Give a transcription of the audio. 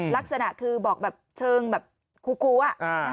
ลักษณะคือบอกแบบเชิงแบบคูอะ